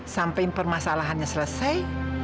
sampai permasalahannya selesai